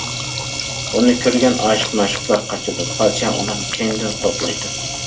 بۇنى كۆرگەن ئاشىق- مەشۇقلار قاچىدۇ، پادىشاھ ئۇلارنىڭ كەينىدىن قوغلايدۇ.